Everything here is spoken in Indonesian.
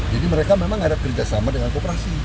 jadi mereka memang ngarep kerjasama dengan kooperasi